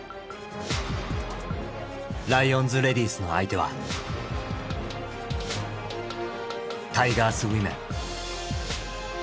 ライオンズ・レディースの相手はタイガースＷｏｍｅｎ。